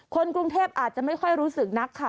คนกรุงเทพอาจจะไม่ค่อยรู้สึกนักค่ะ